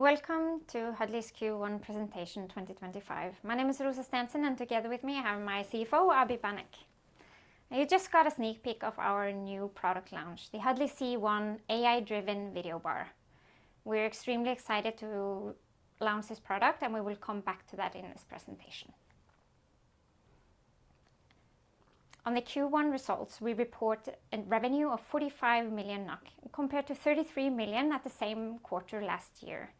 Welcome to Huddly's Q1 Presentation 2025. My name is Rósa Stensen, and together with me I have my CFO, Abhijit Banik. You just got a sneak peek of our new product launch, the Huddly C1 AI-driven videobar. We're extremely excited to launch this product, and we will come back to that in this presentation. On the Q1 results, we report a revenue of 45 million NOK, compared to 33 million at the same quarter last year.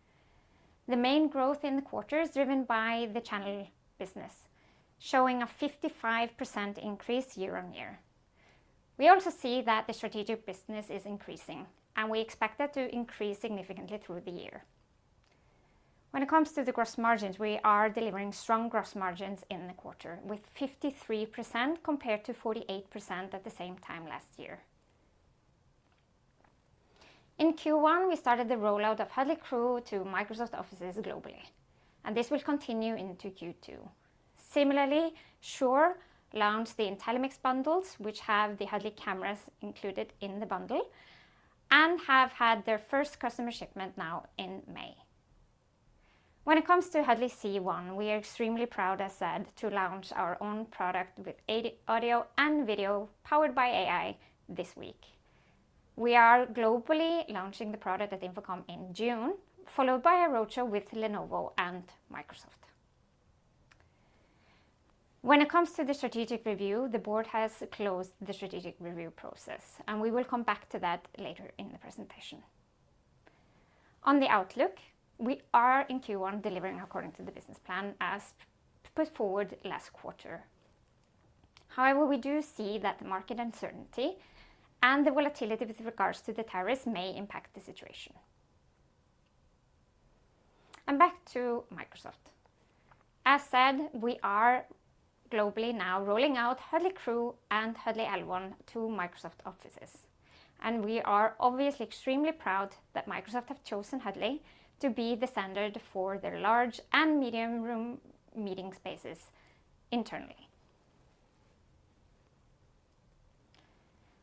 The main growth in the quarter is driven by the channel business, showing a 55% increase year-on-year. We also see that the strategic business is increasing, and we expect that to increase significantly through the year. When it comes to the gross margins, we are delivering strong gross margins in the quarter, with 53% compared to 48% at the same time last year. In Q1, we started the rollout of Huddly Crew to Microsoft offices globally, and this will continue into Q2. Similarly, Shure launched the IntelliMix bundles, which have the Huddly cameras included in the bundle and have had their first customer shipment now in May. When it comes to Huddly C1, we are extremely proud, as said, to launch our own product with audio and video powered by AI this week. We are globally launching the product at InfoComm in June, followed by a roadshow with Lenovo and Microsoft. When it comes to the strategic review, the board has closed the strategic review process, and we will come back to that later in the presentation. On the outlook, we are in Q1 delivering according to the business plan as put forward last quarter. However, we do see that the market uncertainty and the volatility with regards to the tariffs may impact the situation. Back to Microsoft. As said, we are globally now rolling out Huddly Crew and Huddly L1 to Microsoft offices, and we are obviously extremely proud that Microsoft has chosen Huddly to be the standard for their large and medium room meeting spaces internally.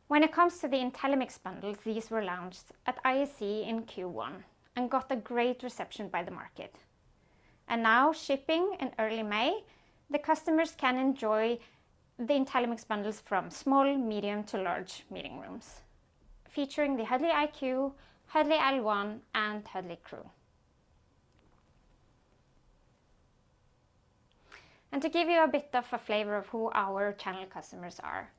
When it comes to the IntelliMix bundles, these were launched at ISE in Q1 and got a great reception by the market. Now, shipping in early May, the customers can enjoy the IntelliMix bundles from small, medium to large meeting rooms, featuring the Huddly IQ, Huddly L1, and Huddly Crew. To give you a bit of a flavor of who our channel customers are,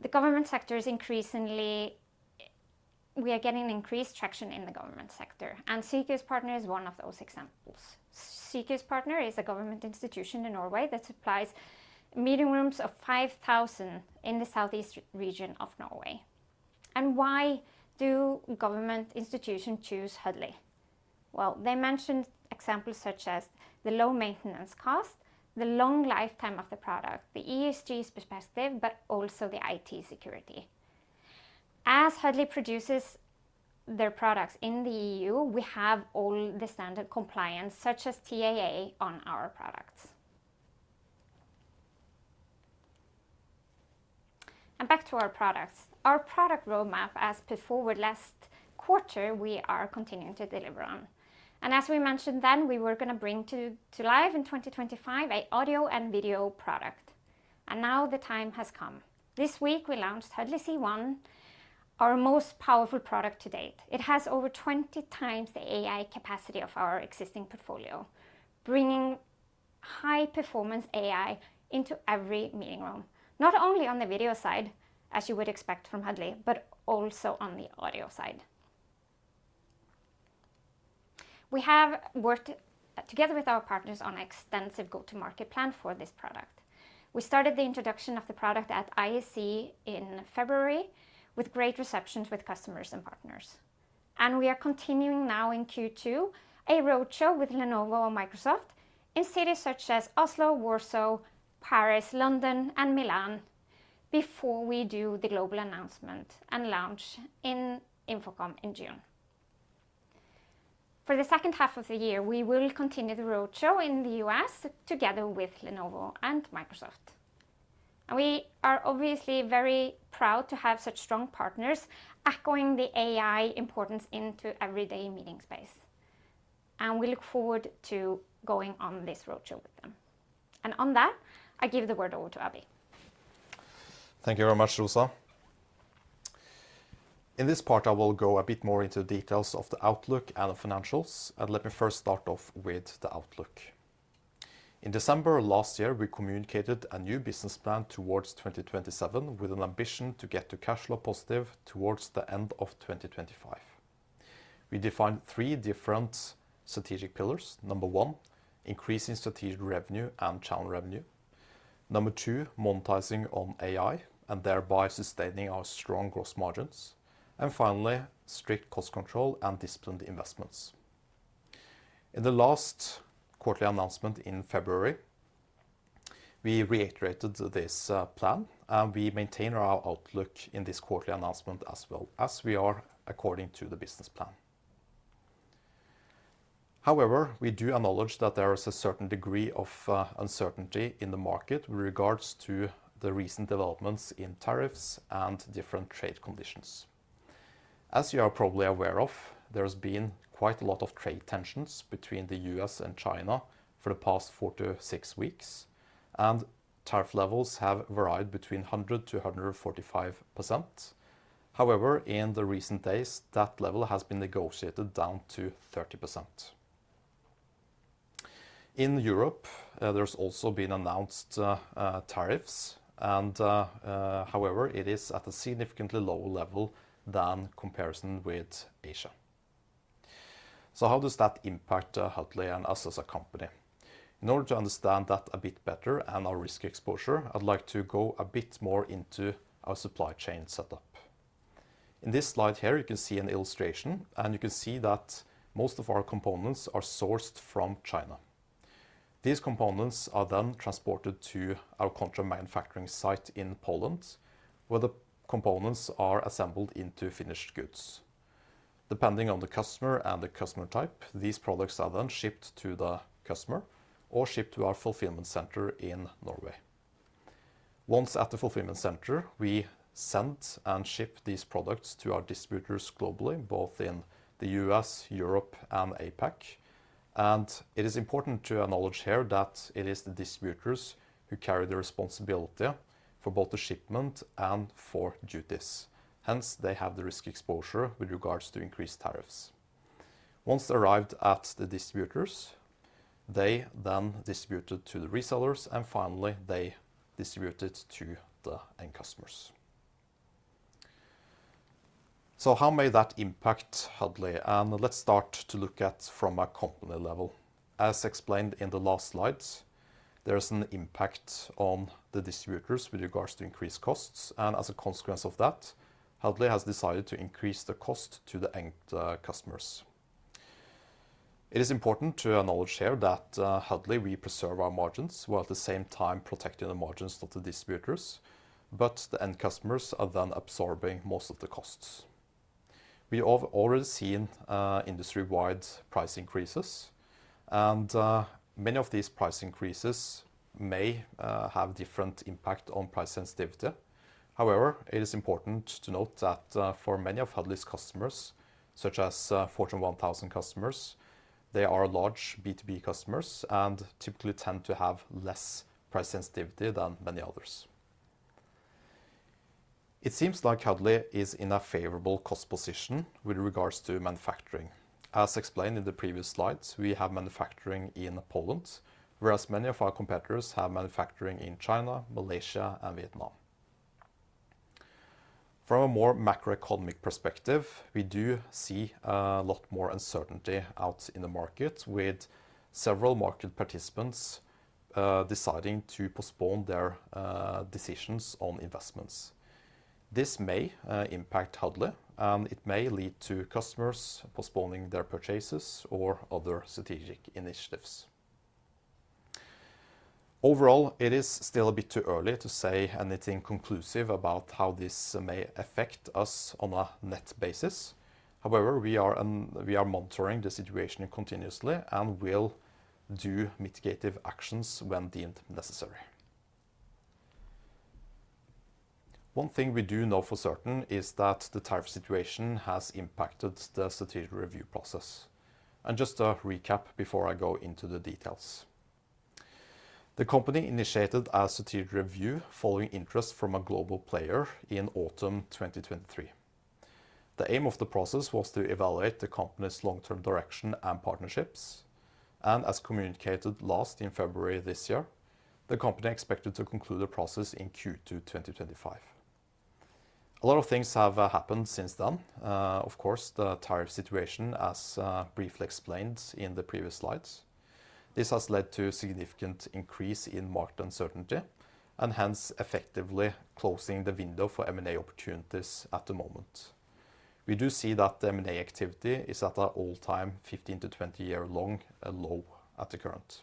the government sector is increasingly—we are getting increased traction in the government sector, and Sykehuspartner is one of those examples. Sykehuspartner is a government institution in Norway that supplies meeting rooms of 5,000 in the southeast region of Norway. Why do government institutions choose Huddly? They mentioned examples such as the low maintenance cost, the long lifetime of the product, the ESG perspective, but also the IT security. As Huddly produces their products in the EU, we have all the standard compliance, such as TAA, on our products. Back to our products. Our product roadmap, as put forward last quarter, we are continuing to deliver on. As we mentioned then, we were going to bring to live in 2025 an audio and video product. Now the time has come. This week, we launched Huddly C1, our most powerful product to date. It has over 20x the AI capacity of our existing portfolio, bringing high-performance AI into every meeting room, not only on the video side, as you would expect from Huddly, but also on the audio side. We have worked together with our partners on an extensive go-to-market plan for this product. We started the introduction of the product at ISE in February with great receptions with customers and partners. We are continuing now in Q2 a roadshow with Lenovo and Microsoft in cities such as Oslo, Warsaw, Paris, London, and Milan before we do the global announcement and launch in InfoComm in June. For the second half of the year, we will continue the roadshow in the U.S. together with Lenovo and Microsoft. We are obviously very proud to have such strong partners echoing the AI importance into everyday meeting space. We look forward to going on this roadshow with them. On that, I give the word over to Abhijit. Thank you very much, Rósa. In this part, I will go a bit more into the details of the outlook and the financials. Let me first start off with the outlook. In December last year, we communicated a new business plan towards 2027 with an ambition to get to cash flow positive towards the end of 2025. We defined three different strategic pillars. Number one, increasing strategic revenue and channel revenue. Number two, monetizing on AI and thereby sustaining our strong gross margins. Finally, strict cost control and disciplined investments. In the last quarterly announcement in February, we reiterated this plan, and we maintain our outlook in this quarterly announcement as well as we are according to the business plan. However, we do acknowledge that there is a certain degree of uncertainty in the market with regards to the recent developments in tariffs and different trade conditions. As you are probably aware of, there has been quite a lot of trade tensions between the U.S. and China for the past four to six weeks, and tariff levels have varied between 100%-145%. However, in the recent days, that level has been negotiated down to 30%. In Europe, there has also been announced tariffs, and however, it is at a significantly lower level than comparison with Asia. How does that impact Huddly and us as a company? In order to understand that a bit better and our risk exposure, I'd like to go a bit more into our supply chain setup. In this slide here, you can see an illustration, and you can see that most of our components are sourced from China. These components are then transported to our contract manufacturing site in Poland, where the components are assembled into finished goods. Depending on the customer and the customer type, these products are then shipped to the customer or shipped to our fulfillment center in Norway. Once at the fulfillment center, we send and ship these products to our distributors globally, both in the U.S., Europe, and APAC. It is important to acknowledge here that it is the distributors who carry the responsibility for both the shipment and for duties. Hence, they have the risk exposure with regards to increased tariffs. Once they arrive at the distributors, they then distribute to the resellers, and finally, they distribute to the end customers. How may that impact Huddly? Let's start to look at it from a company level. As explained in the last slides, there is an impact on the distributors with regards to increased costs, and as a consequence of that, Huddly has decided to increase the cost to the end customers. It is important to acknowledge here that Huddly, we preserve our margins while at the same time protecting the margins of the distributors, but the end customers are then absorbing most of the costs. We have already seen industry-wide price increases, and many of these price increases may have a different impact on price sensitivity. However, it is important to note that for many of Huddly's customers, such as FT1000 customers, they are large B2B customers and typically tend to have less price sensitivity than many others. It seems like Huddly is in a favorable cost position with regards to manufacturing. As explained in the previous slides, we have manufacturing in Poland, whereas many of our competitors have manufacturing in China, Malaysia, and Vietnam. From a more macroeconomic perspective, we do see a lot more uncertainty out in the market with several market participants deciding to postpone their decisions on investments. This may impact Huddly, and it may lead to customers postponing their purchases or other strategic initiatives. Overall, it is still a bit too early to say anything conclusive about how this may affect us on a net basis. However, we are monitoring the situation continuously and will do mitigative actions when deemed necessary. One thing we do know for certain is that the tariff situation has impacted the strategic review process. Just a recap before I go into the details. The company initiated a strategic review following interest from a global player in autumn 2023. The aim of the process was to evaluate the company's long-term direction and partnerships. As communicated last in February this year, the company expected to conclude the process in Q2 2025. A lot of things have happened since then. Of course, the tariff situation, as briefly explained in the previous slides, has led to a significant increase in market uncertainty and hence effectively closing the window for M&A opportunities at the moment. We do see that the M&A activity is at an all-time 15year-20-year-long low at the current.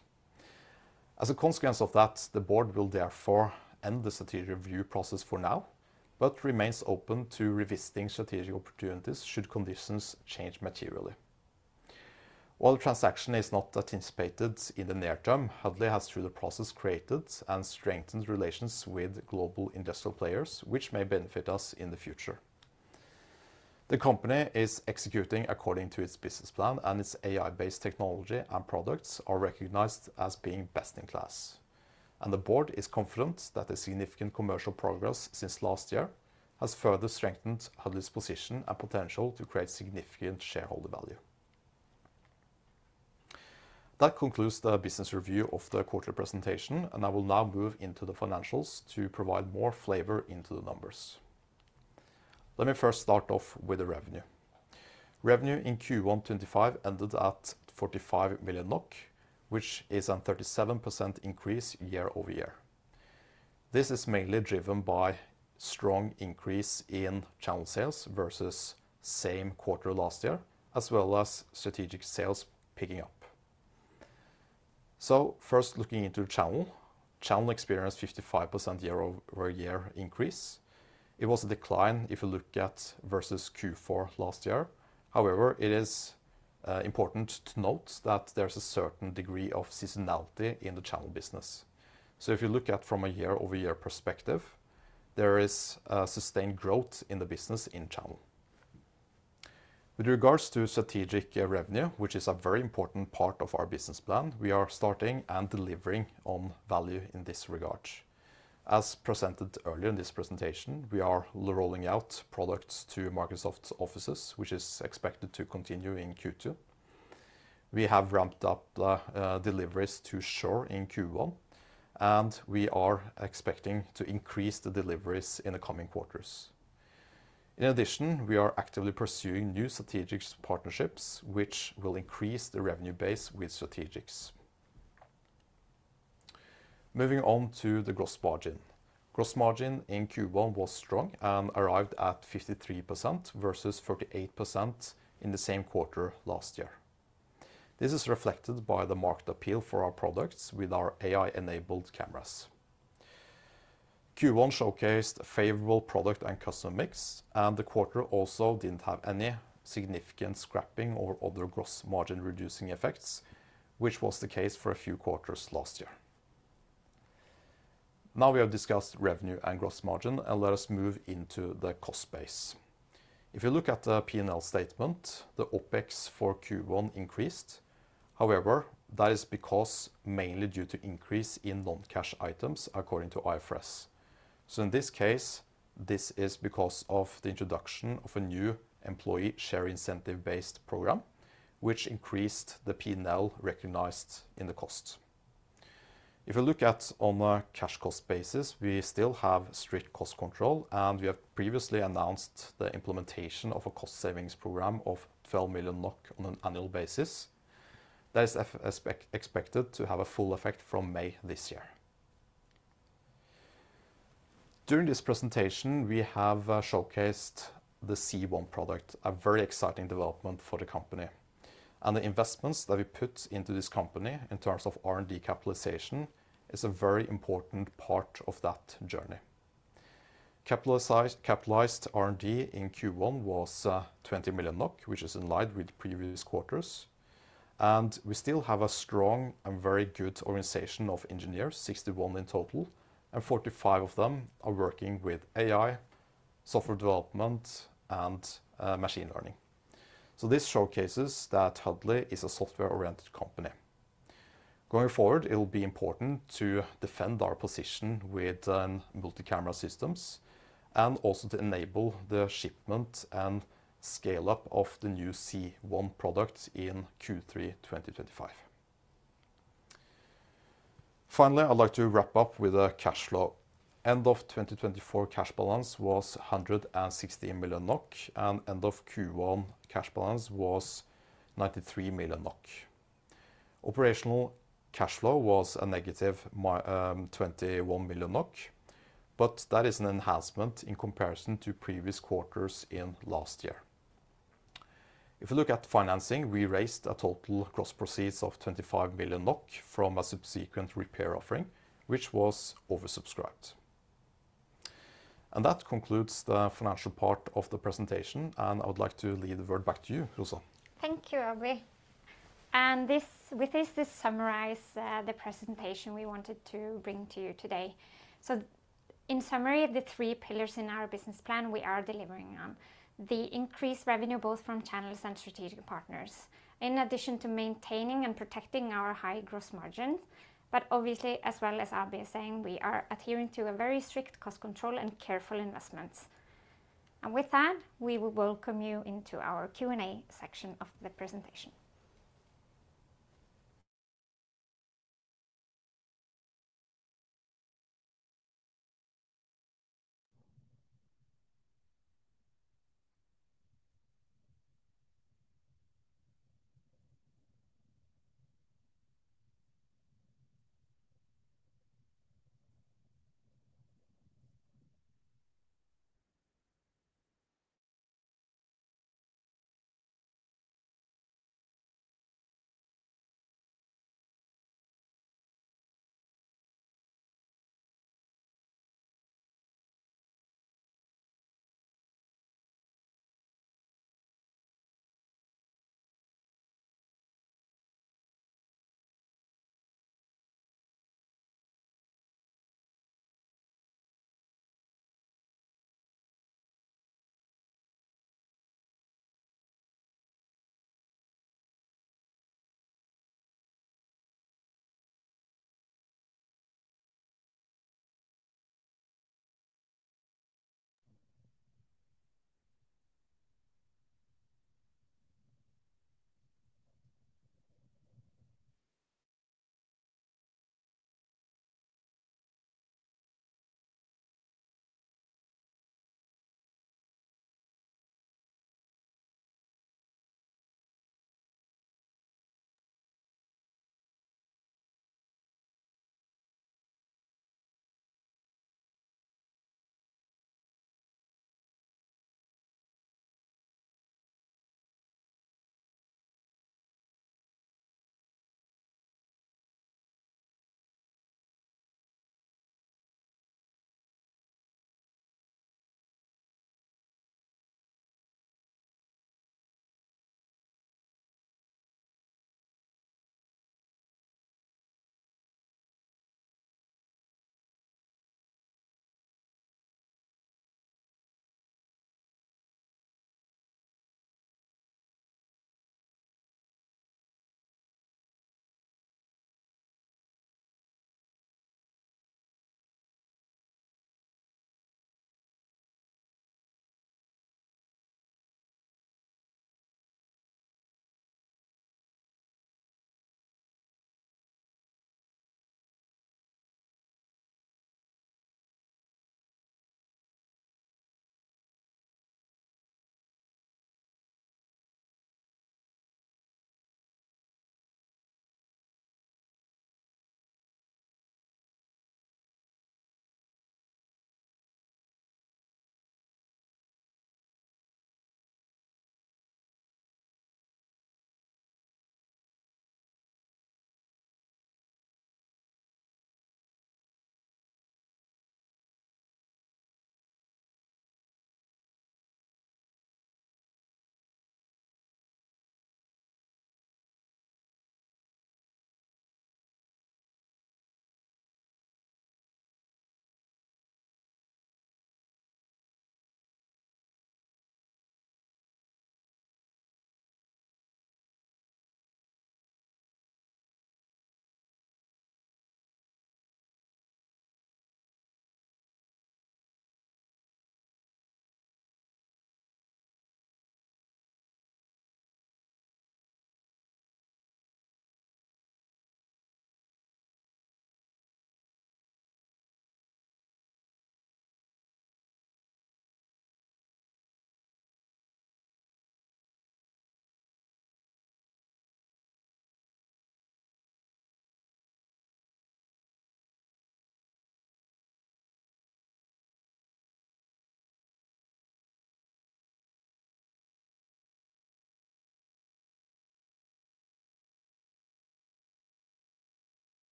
As a consequence of that, the board will therefore end the strategic review process for now, but remains open to revisiting strategic opportunities should conditions change materially. While the transaction is not anticipated in the near term, Huddly has through the process created and strengthened relations with global industrial players, which may benefit us in the future. The company is executing according to its business plan, and its AI-based technology and products are recognized as being best in class. The board is confident that the significant commercial progress since last year has further strengthened Huddly's position and potential to create significant shareholder value. That concludes the business review of the quarterly presentation, and I will now move into the financials to provide more flavor into the numbers. Let me first start off with the revenue. Revenue in Q1 2025 ended at 45 million NOK, which is a 37% increase year-over-year. This is mainly driven by strong increase in channel sales versus same quarter last year, as well as strategic sales picking up. First, looking into channel, channel experienced a 55% year-over-year increase. It was a decline if you look at versus Q4 last year. However, it is important to note that there's a certain degree of seasonality in the channel business. If you look at it from a year-over-year perspective, there is a sustained growth in the business in channel. With regards to strategic revenue, which is a very important part of our business plan, we are starting and delivering on value in this regard. As presented earlier in this presentation, we are rolling out products to Microsoft offices, which is expected to continue in Q2. We have ramped up deliveries to Shure in Q1, and we are expecting to increase the deliveries in the coming quarters. In addition, we are actively pursuing new strategic partnerships, which will increase the revenue base with strategics. Moving on to the gross margin. Gross margin in Q1 was strong and arrived at 53% versus 48% in the same quarter last year. This is reflected by the marked appeal for our products with our AI-enabled cameras. Q1 showcased a favorable product and customer mix, and the quarter also did not have any significant scrapping or other gross margin-reducing effects, which was the case for a few quarters last year. Now we have discussed revenue and gross margin, and let us move into the cost base. If you look at the P&L statement, the OPEX for Q1 increased. However, that is mainly due to an increase in non-cash items according to IFRS. In this case, this is because of the introduction of a new employee share incentive-based program, which increased the P&L recognized in the cost. If you look at it on a cash cost basis, we still have strict cost control, and we have previously announced the implementation of a cost savings program of 12 million NOK on an annual basis. That is expected to have a full effect from May this year. During this presentation, we have showcased the C1 product, a very exciting development for the company. The investments that we put into this company in terms of R&D capitalization is a very important part of that journey. Capitalized R&D in Q1 was 20 million NOK, which is in line with previous quarters. We still have a strong and very good organization of engineers, 61 in total, and 45 of them are working with AI, software development, and machine learning. This showcases that Huddly is a software-oriented company. Going forward, it will be important to defend our position with multi-camera systems and also to enable the shipment and scale-up of the new C1 product in Q3 2025. Finally, I'd like to wrap up with a cash flow. End of 2024 cash balance was 160 million NOK, and end of Q1 cash balance was 93 million NOK. Operational cash flow was a negative 21 million NOK, but that is an enhancement in comparison to previous quarters in last year. If you look at financing, we raised a total gross proceeds of 25 million NOK from a subsequent repair offering, which was oversubscribed. That concludes the financial part of the presentation, and I would like to leave the word back to you, Rósa. Thank you, Abhijit. With this, this summarizes the presentation we wanted to bring to you today. In summary, the three pillars in our business plan we are delivering on: the increased revenue both from channels and strategic partners, in addition to maintaining and protecting our high gross margins, but obviously, as well as Abhijit is saying, we are adhering to a very strict cost control and careful investments. With that, we will welcome you into our Q&A section of the presentation.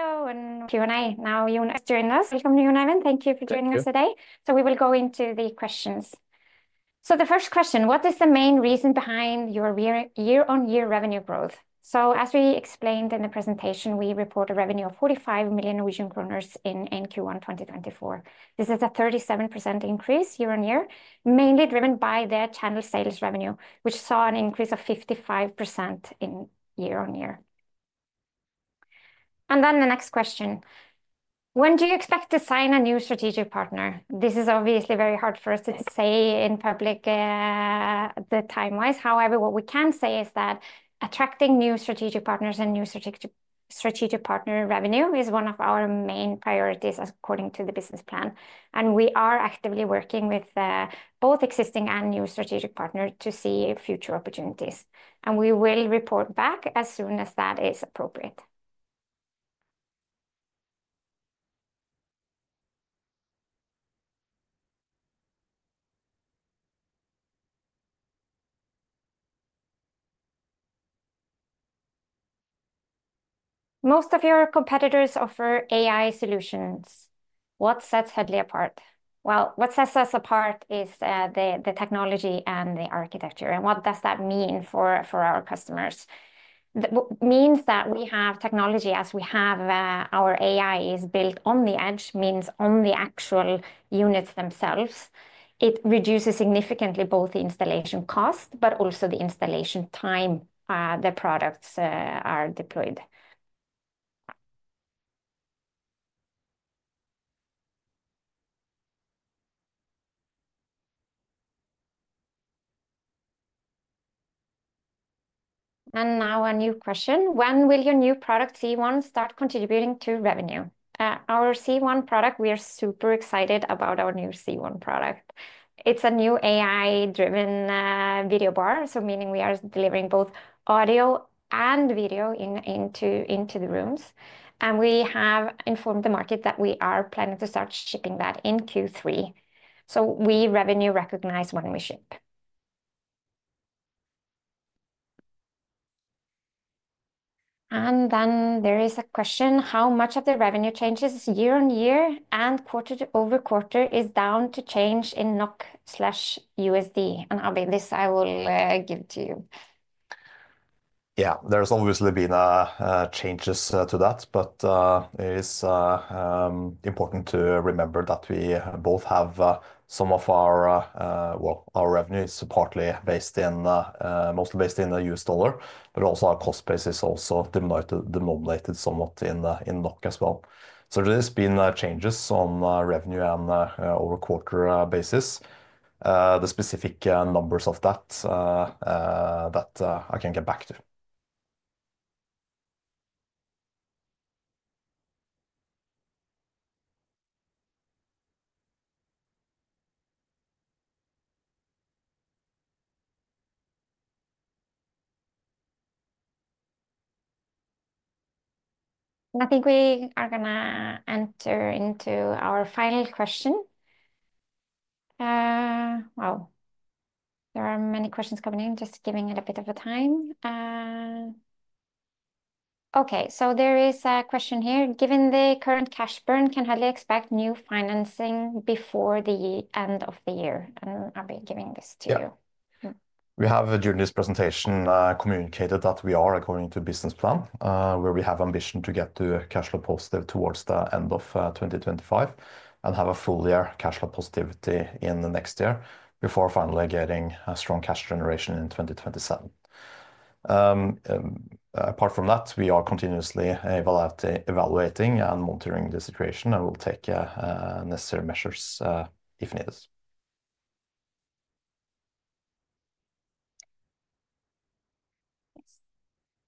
Hello and Q&A. Now, Jon Øyvind, thank you for joining us today. We will go into the questions. The first question, what is the main reason behind your year-on-year revenue growth? As we explained in the presentation, we report a revenue of 45 million Norwegian kroner in Q1 2024. This is a 37% increase year-on-year, mainly driven by their channel sales revenue, which saw an increase of 55% year-on-year. The next question, when do you expect to sign a new strategic partner? This is obviously very hard for us to say in public, time-wise. However, what we can say is that attracting new strategic partners and new strategic partner revenue is one of our main priorities according to the business plan. We are actively working with both existing and new strategic partners to see future opportunities. We will report back as soon as that is appropriate. Most of your competitors offer AI solutions. What sets Huddly apart? What sets us apart is the technology and the architecture. What does that mean for our customers? It means that we have technology as we have our AI is built on the edge, means on the actual units themselves. It reduces significantly both the installation cost, but also the installation time the products are deployed. A new question. When will your new product C1 start contributing to revenue? Our C1 product, we are super excited about our new C1 product. It is a new AI-driven video bar, so meaning we are delivering both audio and video into the rooms. We have informed the market that we are planning to start shipping that in Q3. We revenue recognize when we ship. There is a question, how much of the revenue changes year-on-year and quarter-over-quarter is down to change in NOK/USD? Abhijit, this I will give to you. Yeah, there's obviously been changes to that, but it is important to remember that we both have some of our, well, our revenue is partly based in, mostly based in the U.S. dollar, but also our cost basis also denominated somewhat in NOK as well. There's been changes on revenue and over quarter basis. The specific numbers of that, that I can get back to. I think we are going to enter into our final question. Wow, there are many questions coming in, just giving it a bit of a time. Okay, there is a question here. Given the current cash burn, can Huddly expect new financing before the end of the year? I'll be giving this to you. We have during this presentation communicated that we are, according to business plan, where we have ambition to get to cash flow positive towards the end of 2025 and have a full year cash flow positivity in the next year before finally getting a strong cash generation in 2027. Apart from that, we are continuously evaluating and monitoring the situation and will take necessary measures if needed.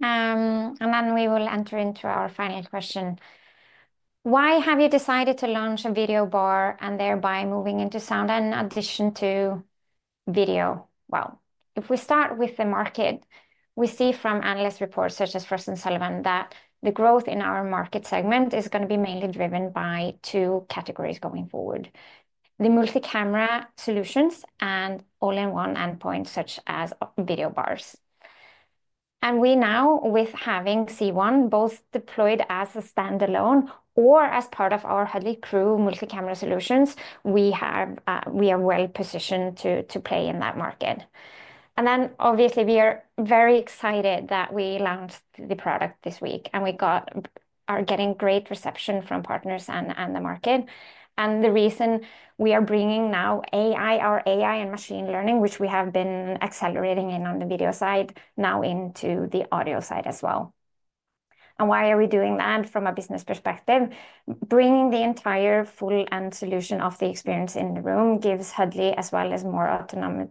We will enter into our final question. Why have you decided to launch a video bar and thereby moving into sound in addition to video? If we start with the market, we see from analyst reports such as Frost & Sullivan that the growth in our market segment is going to be mainly driven by two categories going forward: the multi-camera solutions and all-in-one endpoints such as video bars. We now, with having C1 both deployed as a standalone or as part of our Huddly Crew multi-camera solutions, are well positioned to play in that market. Obviously, we are very excited that we launched the product this week and we are getting great reception from partners and the market. The reason we are bringing now AI, our AI and machine learning, which we have been accelerating in on the video side, now into the audio side as well. Why are we doing that from a business perspective? Bringing the entire full-end solution of the experience in the room gives Huddly as well as more autonomy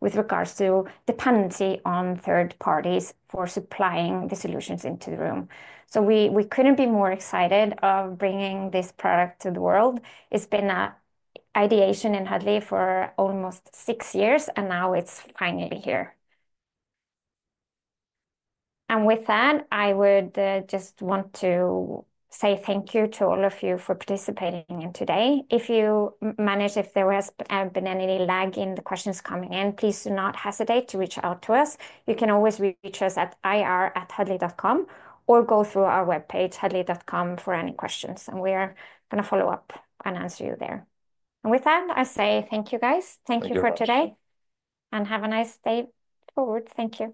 with regards to dependency on third parties for supplying the solutions into the room. We could not be more excited of bringing this product to the world. It has been an ideation in Huddly for almost six years and now it is finally here. With that, I would just want to say thank you to all of you for participating in today. If you manage, if there has been any lag in the questions coming in, please do not hesitate to reach out to us. You can always reach us at ir@huddly.com or go through our webpage, huddly.com, for any questions. We are going to follow up and answer you there. I say thank you guys. Thank you for today. Have a nice day forward. Thank you.